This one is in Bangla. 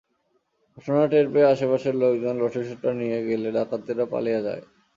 ঘটনা টের পেয়ে আশপাশের লোকজন লাঠিসোঁটা নিয়ে গেলে ডাকাতেরা পালিয়ে যায়।